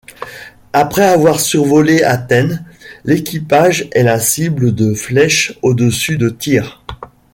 Après avoir survolé Athènes, l'équipage est la cible de flèches au-dessus de Tyr.